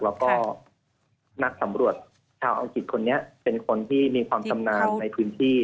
แล้วก็นักสำรวจชาวอังกฤษคนนี้เป็นคนที่มีความชำนาญในพื้นที่